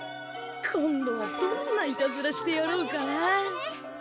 今度はどんなイタズラしてやろうかな。